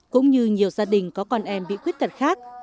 cũng như nhiều gia đình có con em bị khuyết tật khác